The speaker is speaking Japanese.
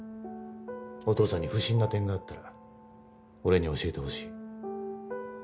お義父さんに不審な点があったら俺に教えてほしい。